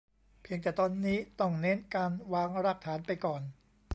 เพียงแต่ตอนนี้ต้องเน้นการวางรากฐานไปก่อน